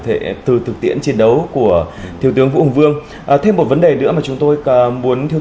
thể từ thực tiễn chiến đấu của thiếu tướng vũ hùng vương thêm một vấn đề nữa mà chúng tôi muốn thương